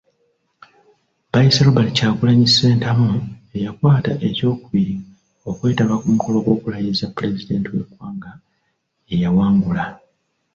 Baayise Robert Kyagulanyi Ssentamu eyakwata ekyokubiri okwetaba ku mukolo gw'okulayiza Pulezidenti w'eggwanga eyawangula .